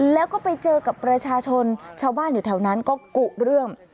แล้วก็ไปเจอกับประชาชนชาวบ้านอยู่แถวนั้นก็กุเรื่อง